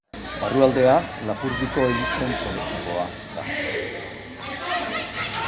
Barrualdea Lapurdiko elizen prototipoa da.